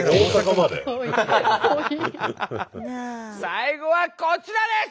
最後はこちらです！